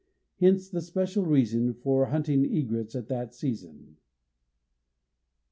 Hence the special reason for hunting egrets at that season.